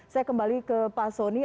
saya kembali ke pak soni